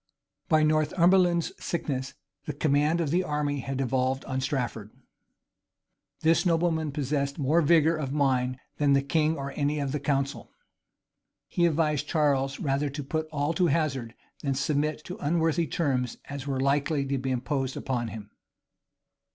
By Northumberland's sickness, the command of the army had devolved on Strafford. This nobleman possessed more vigor of mind than the king or any of the council. He advised Charles rather to put all to hazard, than submit to unworthy terms as were likely to be imposed upon him.